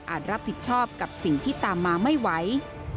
รับผิดชอบกับสิ่งที่ตามมาไม่ไหว